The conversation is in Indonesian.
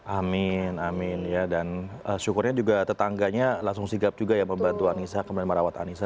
amin amin ya dan syukurnya juga tetangganya langsung sigap juga ya membantu anissa kemudian merawat anissa